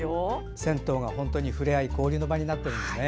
銭湯がふれあい交流の場になってるんですね。